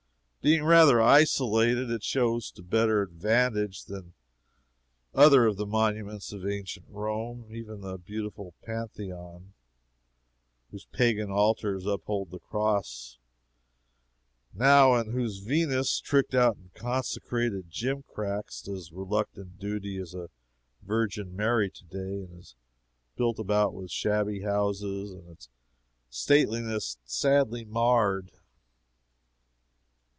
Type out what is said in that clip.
Being rather isolated, it shows to better advantage than any other of the monuments of ancient Rome. Even the beautiful Pantheon, whose pagan altars uphold the cross, now, and whose Venus, tricked out in consecrated gimcracks, does reluctant duty as a Virgin Mary to day, is built about with shabby houses and its stateliness sadly marred.